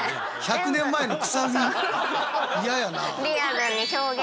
嫌やなぁ。